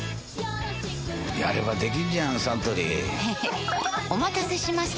やればできんじゃんサントリーへへっお待たせしました！